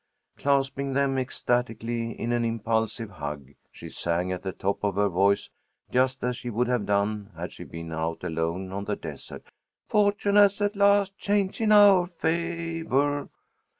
Clasping them ecstatically in an impulsive hug, she sang at the top of her voice, just as she would have done had she been out alone on the desert: "Fortune has at last changed in our fa vor!"